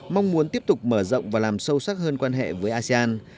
mong muốn tiếp tục mở rộng và làm sâu sắc hơn quan hệ với asean